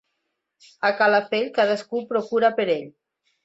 A Calafell, cadascú procura per ell.